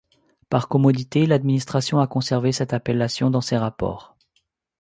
Par commodité l'administration a conservé cette appellation dans ses rapports.